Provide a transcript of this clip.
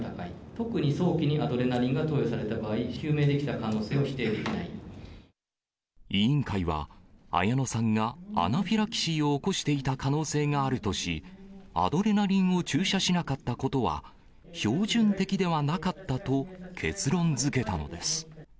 特に早期にアドレナリンが投与された場合、委員会は、綾乃さんがアナフィラキシーを起こしていた可能性があるとし、アドレナリンを注射なかったことは標準的ではなかったと結論づけたのです。